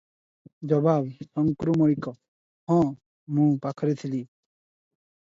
ଜବାବ ଶଙ୍କ୍ରୁ ମଳିକ - ହଁ, ମୁଁ ପାଖରେ ଥିଲି ।